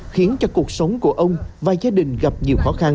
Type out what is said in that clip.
khiến cho cuộc sống của ông và gia đình gặp nhiều khó khăn